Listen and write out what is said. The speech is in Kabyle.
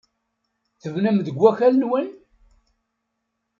Tebnam deg wakal-nwen?